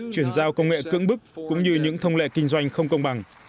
chuyển giao công nghệ cưỡng bức cũng như những thông lệ kinh doanh không công bằng